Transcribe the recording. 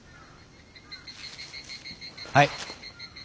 はい。